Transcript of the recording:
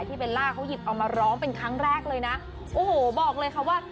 เบลล่าเขาหยิบเอามาร้องเป็นครั้งแรกเลยนะโอ้โหบอกเลยค่ะว่า